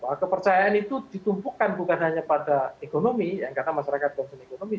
di mana kepercayaan itu ditumpukan bukan hanya pada ekonomi yang kata masyarakat konsumen ekonomi